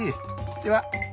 では。